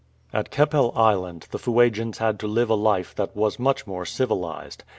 At Keppel Island the Fuegians had to live a life that was much more civilized.